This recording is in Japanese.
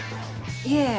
いえ